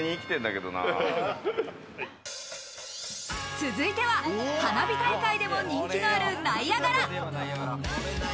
続いては花火大会でも人気のあるナイアガラ。